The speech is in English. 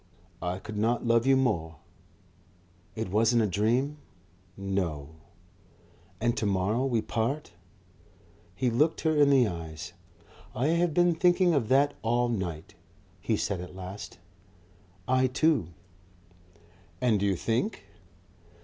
"I could not love you more." "It wasn't a dream?" "No." "And to morrow we part?" He looked her in the eyes. "I have been thinking of that all night," he said at last. "I too." "And you think